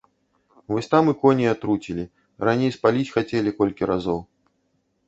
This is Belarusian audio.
Вось і там коней атруцілі, раней спаліць хацелі колькі разоў.